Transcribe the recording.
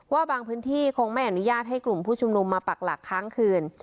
ว่าบางพื้นที่คงไม่อนุญาตให้กลุ่มผู้ชุมนุมมาปักหลักค้างคืน